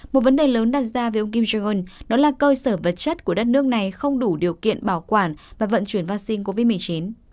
một vấn đề lớn đặt ra với ông kim jong un đó là cơ sở vật chất của đất nước này không đủ điều kiện bảo quản và vận chuyển vaccine covid một mươi chín